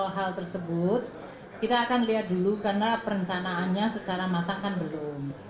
hal tersebut kita akan lihat dulu karena perencanaannya secara matang kan belum